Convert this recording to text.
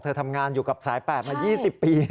เธอทำงานอยู่กับสายแปลกละ๒๐ปี